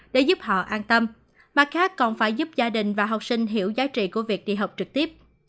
để giúp họ an tâm mặt khác còn phải giúp gia đình và học sinh hiểu giá trị của việc đi học trực tiếp